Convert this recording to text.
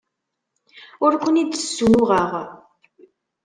Ur ken-id-ssunuɣeɣ.